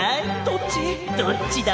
どっちだ？